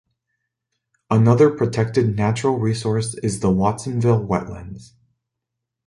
Another protected natural resource is the Watsonville wetlands.